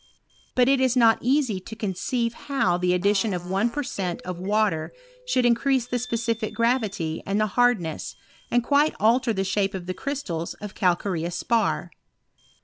But it is not easy to conceive how the addition of one per cent, of war ter should increase the specific gravity and the hard nesa, and quite alter the shape of the crystals of calcareous spar.